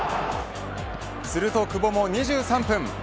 すると久保も２３分。